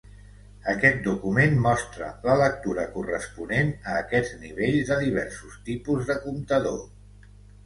Aquest document mostra la lectura corresponent a aquests nivells de diversos tipus de comptador.